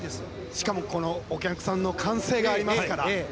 しかも、このお客さんの歓声がありますから。